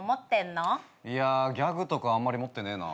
いやギャグとかあんまり持ってねえな。